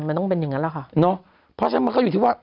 เพราะฉะนั้นเมืองเขาอยู่ที่ว่า